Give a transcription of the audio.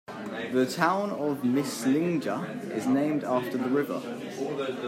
The town of Mislinja is named after the river.